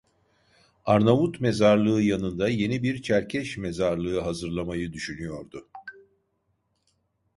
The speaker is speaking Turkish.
Arnavut mezarlığı yanında yeni bir Çerkeş mezarlığı hazırlamayı düşünüyordu.